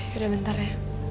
yaudah bentar re